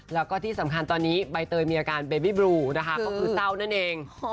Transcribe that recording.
แล้วก็ที่สำคัญตอนนี้ใบเตยมีอาการเบบี้บลูนะคะก็คือเศร้านั่นเอง